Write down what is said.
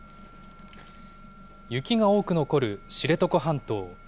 雪が多く残る知床半島。